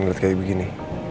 ngeliat kayak begini